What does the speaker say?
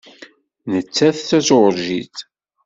Nettat d Tajuṛjit.